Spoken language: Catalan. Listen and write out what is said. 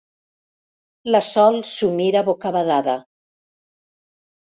La Sol s'ho mira bocabadada.